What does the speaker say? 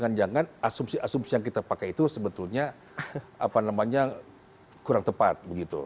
asumsi yang kita pakai itu sebetulnya kurang tepat